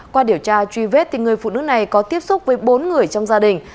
qua điều tra truy vết người phụ nữ này có tiếp xúc với bốn người trong gia đình